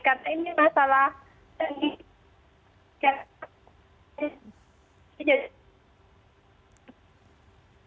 karena ini masalah yang di